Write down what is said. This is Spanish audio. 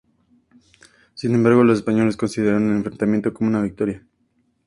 Sin embargo, los españoles consideraron el enfrentamiento como una victoria.